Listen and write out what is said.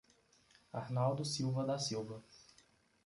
Arnaldo Silva da Silva